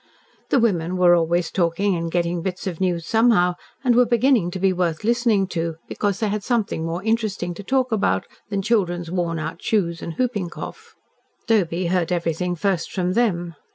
The women were always talking and getting bits of news somehow, and were beginning to be worth listening to, because they had something more interesting to talk about than children's worn out shoes, and whooping cough. Doby heard everything first from them.